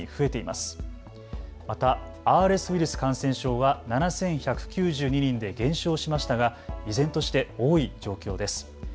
またＲＳウイルス感染症は７１９２人で減少しましたが依然として多い状況です。